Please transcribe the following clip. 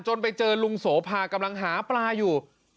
ไปเจอลุงโสภากำลังหาปลาอยู่